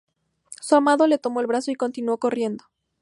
Su amado la tomó en brazos y continuó corriendo.